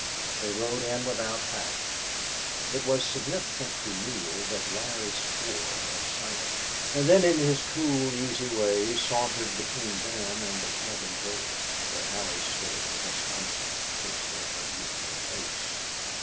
They rode in without packs. It was significant to Neale that Larry swore at sight of them, and then in his cool, easy way sauntered between them and the cabin door, where Allie stood with astonishment fixed on her beautiful face.